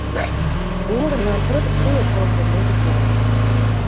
Boeren ha in protte skea troch de mûzepleach.